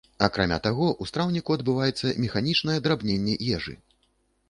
Акрамя таго, у страўніку адбываецца механічнае драбненне ежы.